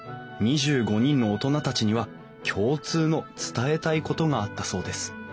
２５人の大人たちには共通の伝えたいことがあったそうです